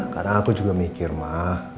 karena aku juga mikir ma